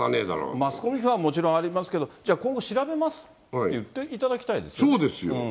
マスコミ批判はもちろんありますけれども、じゃあ、今後調べますって言っていただきたいですよ。